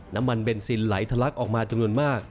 น้ำมันเบนซินไหลทะลักออกมาจำนวนมาก